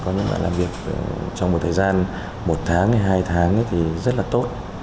có những bạn làm việc trong một thời gian một tháng hay hai tháng thì rất là tốt